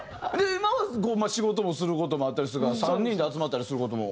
今は仕事もする事もあったりするから３人で集まったりする事も。